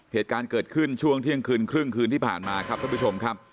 เหตุการณ์เกิดขึ้นช่วงเที่ยงคืนครึ่งคืนที่ผ่านมาครับท่านผู้ชมครับ